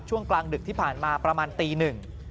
ช่วงกลางดึกที่ผ่านมาประมาณตีหนึ่ง